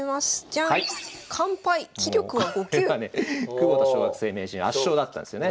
窪田小学生名人圧勝だったんですよね。